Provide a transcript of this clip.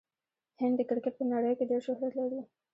هند د کرکټ په نړۍ کښي ډېر شهرت لري.